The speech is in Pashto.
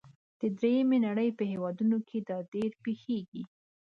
د دریمې نړۍ په هیوادونو کې دا ډیر پیښیږي.